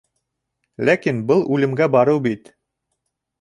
— Ләкин был үлемгә барыу бит!